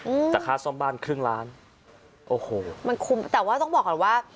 อืมแต่ค่าซ่อมบ้านครึ่งล้านโอ้โหมันคุมแต่ว่าต้องบอกก่อนว่า